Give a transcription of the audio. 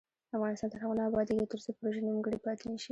افغانستان تر هغو نه ابادیږي، ترڅو پروژې نیمګړې پاتې نشي.